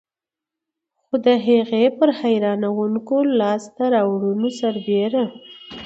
خو د هغې پر حیرانوونکو لاسته راوړنو سربېر.